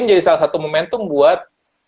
menjadi salah satu momentum buat